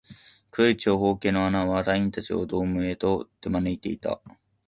黒い長方形の穴は、隊員達をドームへと手招いていた